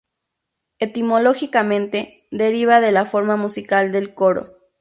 Etimológicamente deriva de la forma musical del coro.